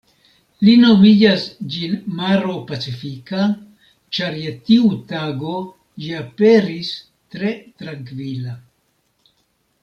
Li nomigas ĝin maro pacifika, ĉar je tiu tago ĝi aperis tre trankvila.